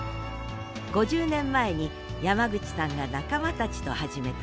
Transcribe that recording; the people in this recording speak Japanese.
５０年前に山口さんが仲間たちと始めた植樹。